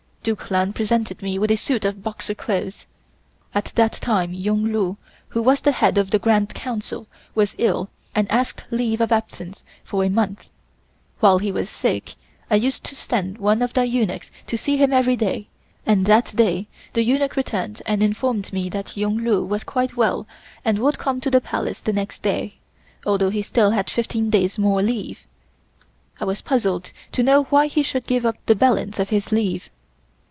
Duke Lan presented me with a suit of Boxer clothes. At that time Yung Lu, who was the head of the Grand Council, was ill and asked leave of absence for a month. While he was sick, I used to send one of the eunuchs to see him every day, and that day the eunuch returned and informed me that Yung Lu was quite well and would come to the Palace the next day, although he still had fifteen days more leave. I was puzzled to know why he should give up the balance of his leave.